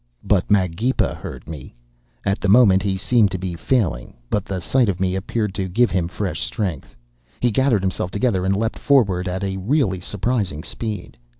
"But Magepa heard me. At the moment he seemed to be failing, but the sight of me appeared to give him fresh strength. He gathered himself together and leapt forward at a really surprising speed.